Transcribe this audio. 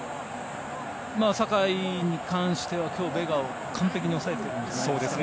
酒井に関しては今日、ベガを完璧に抑えてるんじゃないですかね。